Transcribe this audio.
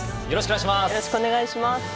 よろしくお願いします。